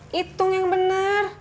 hitung yang bener